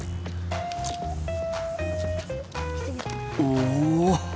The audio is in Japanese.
おお！